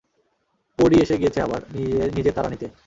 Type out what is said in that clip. পরী এসে গিয়েছে আবার, নিজের তারা নিতে।